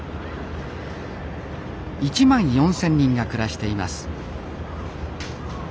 １万４，０００人が暮らしています。